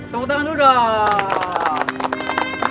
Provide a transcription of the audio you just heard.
tunggu tangan dulu dong